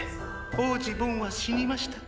王子ボンは死にました。